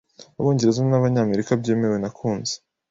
abongereza n’Abanyamerika byemewe Nakunze